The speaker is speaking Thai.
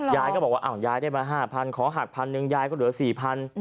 ยายก็บอกว่าอ้าวยายได้มา๕๐๐ขอหักพันหนึ่งยายก็เหลือ๔๐๐บาท